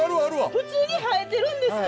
普通に生えてるんですか！？